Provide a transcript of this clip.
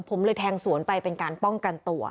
ผมเลยแทงสวนไปเป็นการป้องกันตัว